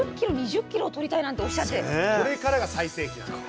これからが最盛期なので。